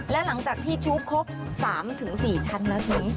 แล้วหลังจากที่ชุบครบ๓๔ชั้นแล้วที